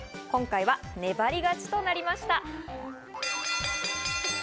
今回は粘り勝ちとなりました。